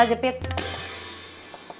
tunggu sebentar shay